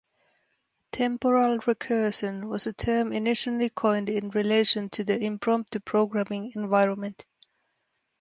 "Temporal recursion" was a term initially coined in relation to the Impromptu programming environment.